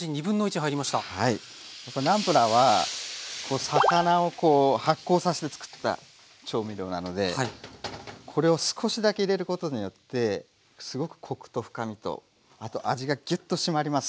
やっぱりナンプラーは魚を発酵させてつくった調味料なのでこれを少しだけ入れることによってすごくコクと深みとあと味がギュッと締まります。